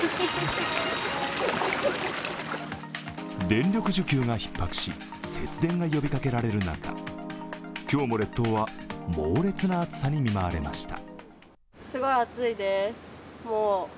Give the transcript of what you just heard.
電力需給がひっ迫し、節電が呼びかけられる中、今日も列島は猛烈な暑さに見舞われました。